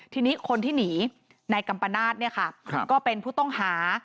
ทีนี้คนที่หนีนายกัมปนาศเนี่ยค่ะก็เป็นผู้ต้องหา